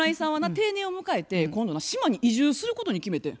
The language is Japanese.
定年を迎えて今度な島に移住することに決めてん。